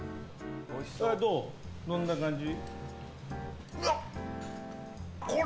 どんな感じ？